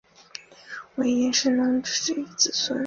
为炎帝神农氏之子孙。